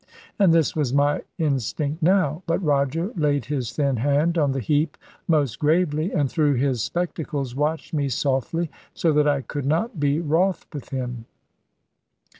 And this was my instinct now; but Roger laid his thin hand on the heap most gravely, and through his spectacles watched me softly, so that I could not be wroth with him.